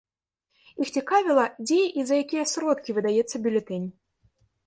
Іх цікавіла, дзе і за якія сродкі выдаецца бюлетэнь.